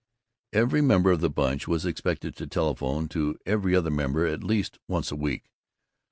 Every member of the Bunch was expected to telephone to every other member at least once a week.